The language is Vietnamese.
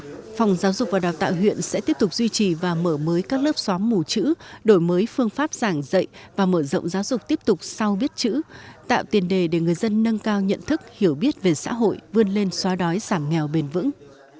bộ phòng giáo dục và đào tạo huyện sẽ tiếp tục duy trì và mở mới các lớp xóa mù chữ đổi mới phương pháp giảng dạy và mở rộng giáo dục tiếp tục sau biết chữ tạo tiền đề để người dân nâng cao nhận thức hiểu biết về xã hội vươn lên xóa đói giảm nghèo bền vững